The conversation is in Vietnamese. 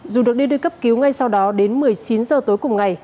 dù được đi đưa cấp cứu ngay sau đó đến một mươi chín h tối cùng ngày